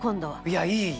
いやいい！